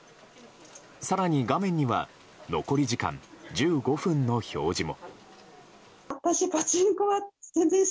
更に、画面には残り時間１５分の表示も。